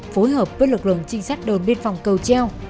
phối hợp với lực lượng trinh sát đồn biên phòng cầu treo